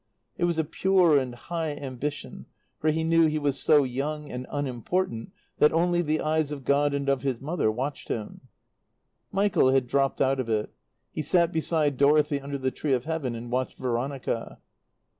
It was a pure and high ambition, for he knew he was so young and unimportant that only the eyes of God and of his mother watched him. Michael had dropped out of it. He sat beside Dorothy under the tree of Heaven and watched Veronica.